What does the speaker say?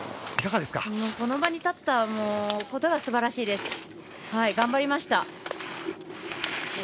この場に立ったことがすばらしいです。